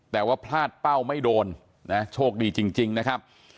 แต่ว่าพลาดเป้าไม่โดนนะโชคดีจริงนะครับ